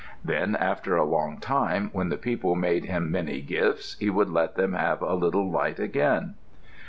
Then, after a long time, when the people made him many gifts, he would let them have a little light again.